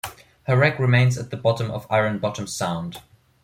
Her wreck remains at the bottom of Ironbottom Sound.